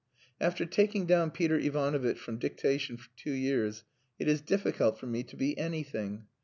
"After taking down Peter Ivanovitch from dictation for two years, it is difficult for me to be anything.